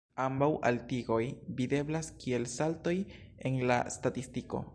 Ambaŭ altigoj videblas kiel saltoj en la statistiko.